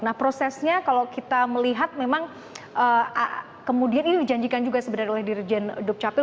nah prosesnya kalau kita melihat memang kemudian ini dijanjikan juga sebenarnya oleh dirjen dukcapil